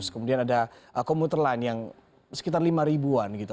kemudian ada komuterland yang sekitar lima ribuan gitu